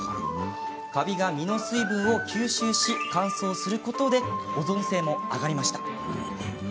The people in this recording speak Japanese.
カビが身の水分を吸収し乾燥することで保存性も上がりました。